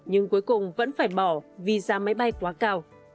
nhưng cuối cùng vẫn phải bỏ vì giá máy bay quá cao